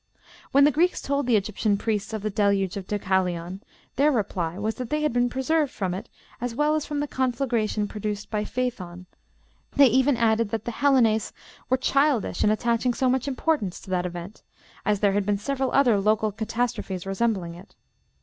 When the Greeks told the Egyptian priests of the Deluge of Deucalion, their reply was that they had been preserved from it as well as from the conflagration produced by Phaëthon; they even added that the Hellenes were childish in attaching so much importance to that event, as there had been several other local catastrophes resembling it.